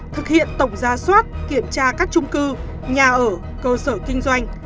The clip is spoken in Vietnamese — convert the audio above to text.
thực hiện tổng ra soát kiểm tra các trung cư nhà ở cơ sở kinh doanh